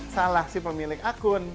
salah si pemilik akun